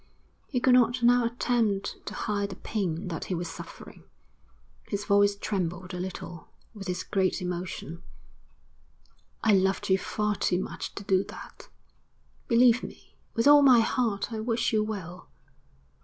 He could not now attempt to hide the pain that he was suffering. His voice trembled a little with his great emotion. 'I loved you far too much to do that. Believe me, with all my heart I wish you well.